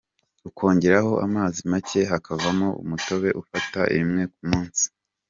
Ukongeramo amazi make hakavamo umutobe ufata rimwe ku munsi.